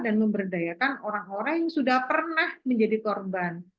dan memberdayakan orang orang yang sudah pernah menjadi korban